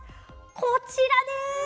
こちらです。